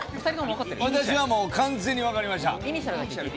私はもう完全に分かりました。